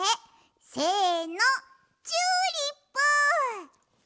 せのチューリップ！